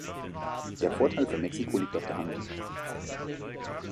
Der Vorteil für Mexiko liegt auf der Hand.